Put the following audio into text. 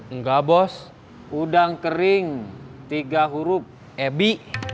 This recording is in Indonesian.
enggak bos udang kering tiga huruf ebi